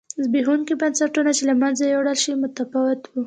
زبېښونکي بنسټونه چې له منځه یووړل شول متفاوت و.